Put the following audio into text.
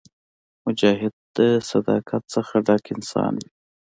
مجاهد د صداقت نه ډک انسان وي.